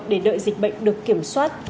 để đợi dịch bệnh được kiểm soát